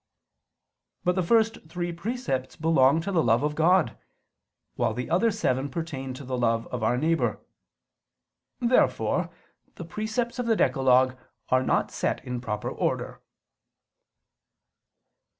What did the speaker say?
But the first three precepts belong to the love of God, while the other seven pertain to the love of our neighbor. Therefore the precepts of the decalogue are not set in proper order.